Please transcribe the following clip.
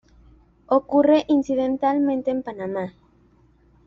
Ocurre incidentalmente en Panamá.